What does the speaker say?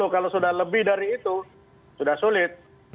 kalau sudah lebih dari itu sudah sulit